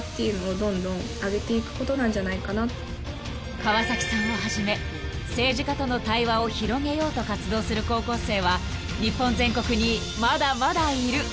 ［川崎さんをはじめ政治家との対話を広げようと活動する高校生は日本全国にまだまだいる］